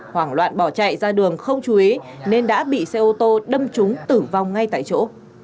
hoảng loạn bỏ chạy ra đường không chú ý nên đã bị xe ô tô đâm trúng tử vong ngay tại chỗ